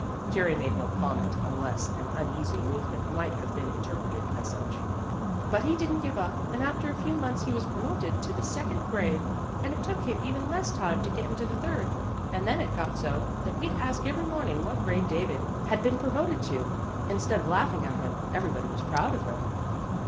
Jerry made no comment, unless an uneasy movement might have been interpreted as such. "But he didn't give up, and after a few months he was promoted to the second grade. And it took him even less time to get into the third. And then it got so that we'd ask every morning what grade David had been promoted to. Instead of laughing at him, everybody was proud of him."